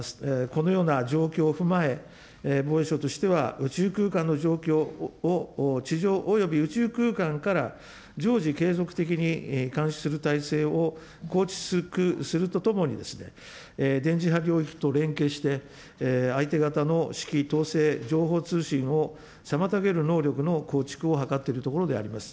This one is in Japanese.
このような状況を踏まえ、防衛省としては宇宙空間の状況を、地上および宇宙空間から常時継続的に監視する体制を構築するとともにですね、電磁波領域と連携して、相手方の指揮統制、情報通信を妨げる能力の構築を図っているところであります。